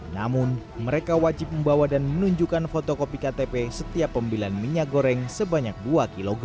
namun mereka wajib membawa dan menunjukkan fotokopi ktp setiap pembelian minyak goreng sebanyak dua kg